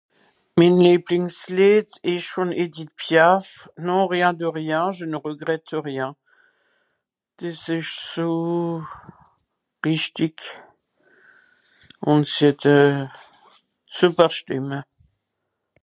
mìn liebliengs Leed esch vòn Edith Piaf non rien de rien je ne regrette rien des esch so rìchtig ùn sie hett sùper Stìmme